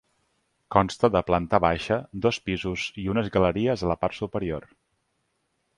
Consta de planta baixa, dos pisos i unes galeries a la part superior.